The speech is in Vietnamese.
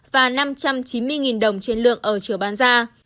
và năm trăm chín mươi đồng trên lượng ở chiều bán ra